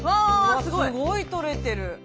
すごいとれてる。